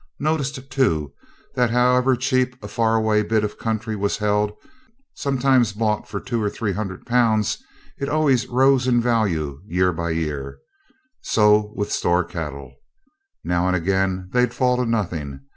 Noticed, too, that however cheap a far away bit of country was held, sometimes bought for 200 or 300 Pounds, it always rose in value year by year. So with store cattle. Now and again they'd fall to nothing.